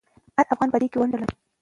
هر افغان په دې کې ونډه لري.